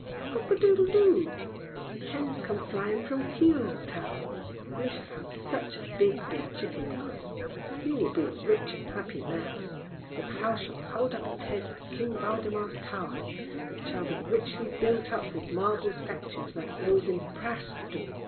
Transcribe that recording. Cock a doodle doo. The hens come flying up from Kioge town. You shall have such a big, big chicken yard. You will be a rich and happy man! Your house shall hold up its head like King Waldemar's towers, and it shall be richly built up with marble statues, like those in Presto.